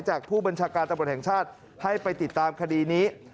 จากผู้บัญชาการตำรวจแห่งชาติให้ไปติดตามคดีนี้